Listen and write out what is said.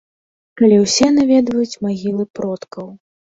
Калі ўсе наведваюць магілы продкаў.